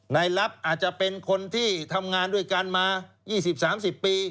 ลับอาจจะเป็นคนที่ทำงานด้วยกันมา๒๐๓๐ปี